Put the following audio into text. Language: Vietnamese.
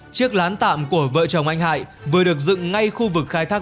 chiếc lán tạm của vợ chồng anh hải vừa được dựng ngay khu vực khai thác